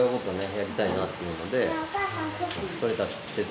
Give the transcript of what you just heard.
やりたいなっていうので。